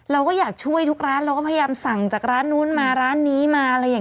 เราก็อยากช่วยทุกร้านเราก็พยายามสั่งจากร้านนู้นมาร้านนี้มาอะไรอย่างนี้